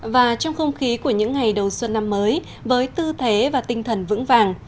và trong không khí của những ngày đầu xuân năm mới với tư thế và tinh thần vững vàng